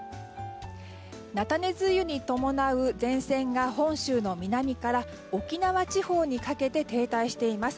なたね梅雨に伴う前線が本州の南から沖縄地方にかけて停滞しています。